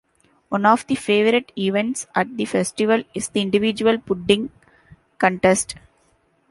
One of the favorite events at the festival is the Individual Pudding Contest.